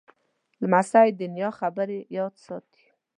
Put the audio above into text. لمسی د نیا خبرې یاد ساتي.